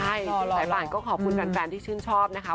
ใช่สายป่านก็ขอบคุณแฟนที่ชื่นชอบนะคะ